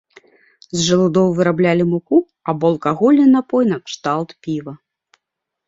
З жалудоў выраблялі муку або алкагольны напой накшталт піва.